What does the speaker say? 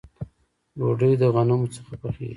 ډوډۍ د غنمو څخه پخیږي